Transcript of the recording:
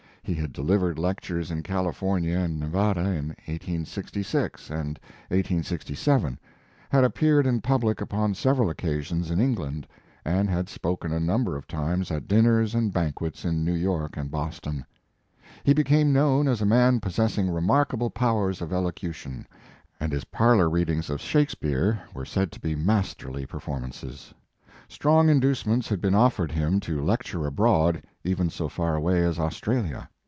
He had delivered lectures in California and Nevada in 1866 and 1867, had appeared in public upon several occasions in Eng land, and had spoken a number of times at dinners and banquets in New York and Boston. He became known as a man possessing remarkable powers of elocu tion, and his parlor readings of Shake speare were said to be masterly perform ances. Strong inducements had been offered him to lecture abroad, even so far away as Australia.